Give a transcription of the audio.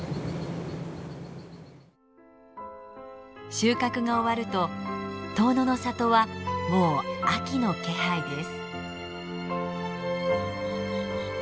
収穫が終わると遠野の里はもう秋の気配です。